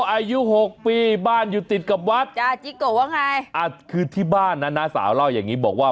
อายุหกปีบ้านอยู่ติดกับวัดจ้าจิโกะว่าไงอ่ะคือที่บ้านนะน้าสาวเล่าอย่างนี้บอกว่า